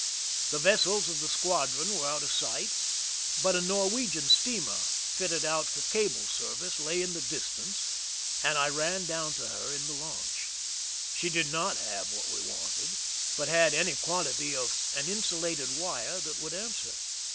The vessels of the squadron were out of sight, but a Norwegian steamer, fitted out for cable service, lay in the distance, and I ran down to her in the launch. She did not have what we wanted, but had any quantity of an insulated wire that would answer.